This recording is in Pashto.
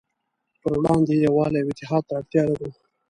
پروړاندې یې يووالي او اتحاد ته اړتیا لرو.